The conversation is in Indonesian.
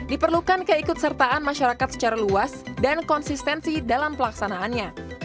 diperlukan keikutsertaan masyarakat secara luas dan konsistensi dalam pelaksanaannya